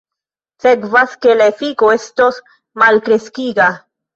Sekvas ke la efiko estos malkreskiga.